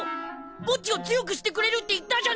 ボッジを強くしてくれるって言ったじゃねえか。